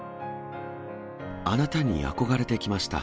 あなたに憧れてきました。